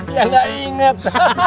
ya enggak inget